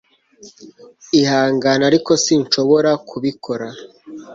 Ihangane ariko sinshobora kubikora